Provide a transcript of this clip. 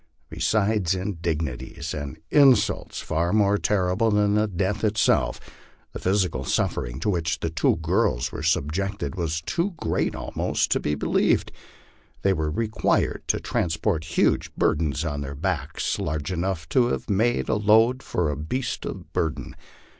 Besides indignities and insults far more terrible than death itself, the physical suffering to which the two girls were sub jected was too great almost to be believed. They were required to trans port huge burdens on their backs, large enough to have made a load for a beast of burden.